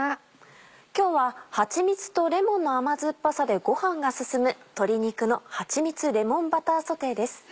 今日ははちみつとレモンの甘酸っぱさでご飯が進む「鶏肉のはちみつレモンバターソテー」です。